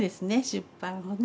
出版をね。